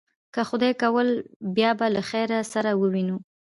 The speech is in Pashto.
که خدای کول، بیا به له خیره سره ووینو.